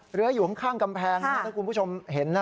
เหลืออยู่ข้างกำแพงถ้าคุณผู้ชมเห็นนะ